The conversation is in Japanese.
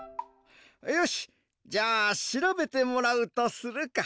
よしじゃあしらべてもらうとするか。